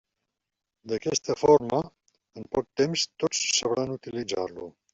D'aquesta forma, en poc temps tots sabran utilitzar-lo.